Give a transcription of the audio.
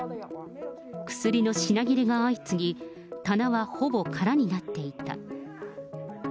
薬の品切れが相次ぎ、棚はほぼ空になっていた。